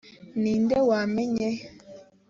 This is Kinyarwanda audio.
ni nde wamenye